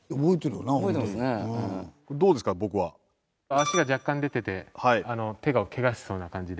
足が若干出てて手をケガしそうな感じで。